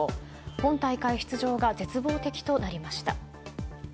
今大会出場が絶望的となりました。